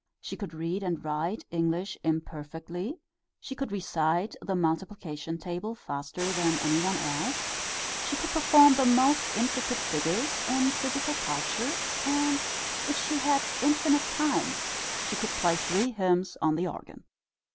She could read and write English imperfectly, she could recite the multiplication table faster than any one else, she could perform the most intricate figures in physical culture, and if she had infinite time she could play three hymns on the organ.